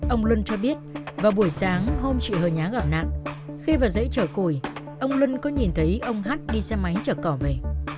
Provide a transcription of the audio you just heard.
ông lân cho biết vào buổi sáng hôm chị hờ nhá gặp nạn khi vào dãy chở cùi ông lân có nhìn thấy ông hát đi xe máy chở cỏ về